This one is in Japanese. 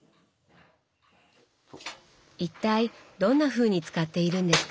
一体どんなふうに使っているんですか？